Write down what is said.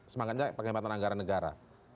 semangatnya penghematan anggaran negara